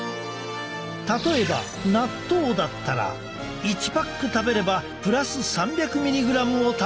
例えば納豆だったら１パック食べればプラス３００ｍｇを達成！